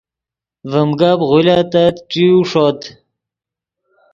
ڤیم گپ غولیتت ݯیو ݰوت